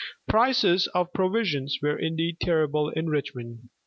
Prices of provisions were indeed terrible in Richmond.